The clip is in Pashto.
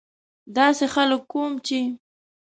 داسې خلک کوم چې.